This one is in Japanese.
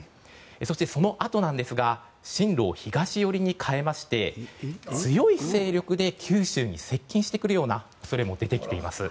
そして、そのあとなんですが進路を東寄りに変えまして強い勢力で九州に接近するような恐れも出てきています。